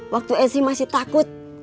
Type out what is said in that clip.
waktu esi masih takut